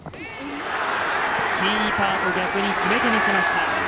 キーパーと逆に決めてみせました。